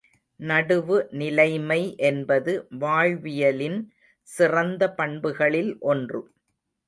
நடுவு நிலைமை என்பது வாழ்வியலின் சிறந்த பண்புகளில் ஒன்று.